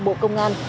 bộ công an